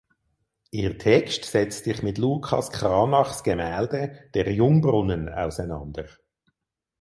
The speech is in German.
Ihr Text setzt sich mit Lucas Cranachs Gemälde "Der Jungbrunnen" auseinander.